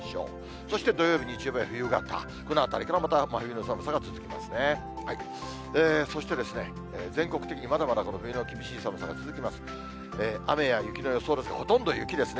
そして土曜日、日曜日は冬型、このあたりからまた真冬の寒さが続きますね。